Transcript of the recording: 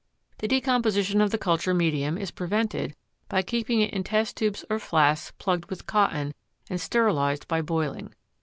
The decomposition of the culture medium is prevented by keeping it in test tubes or flasks plugged with cotton and sterilized by boiling.